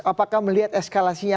apakah melihat eskalasinya ke depan